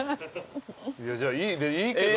じゃあいいけど。